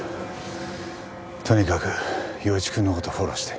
とにかく庸一くんの事フォローして。